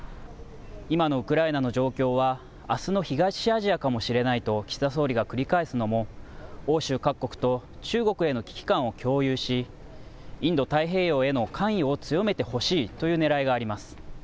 今のウクライナの状況は、あすの東アジアかもしれないと、岸田総理が繰り返すのも、欧州各国と中国への危機感を共有し、インド太平洋への関与を強めてほしいというねらいがあります。